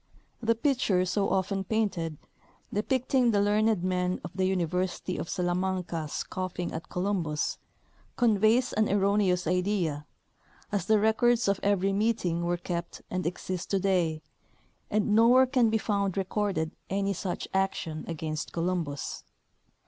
The picture so often painted, depicting the learned men of the Uni versity of Salamanca scoffing at Columbus, conveys an erro neous idea, as the records of every meeting Avere kept and exist to day, and nowhere can be found recorded any such action against Columbus.